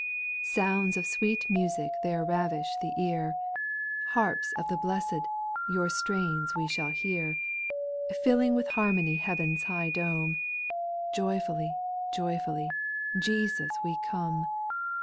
Sounds of sweet music there ravish the ear, Harps of the blessed, your strains we shall hear, Filling with harmony heaven's high dome ; Joyfully, joyfully, Jesus we come.